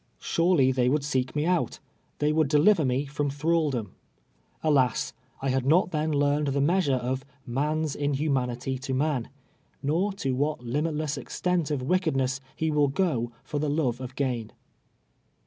Surely they would seek me out — tliey would deliver me i'rom thraldom. AhisI I had mtt tlien learned the measure of " num's iidnnna)iity to man," nor to what limilless extent of wickedness he will go fir the love of <z;ain.